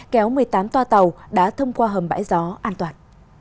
kéo một mươi tám toa tàu đã thông qua hầm bãi gió an toàn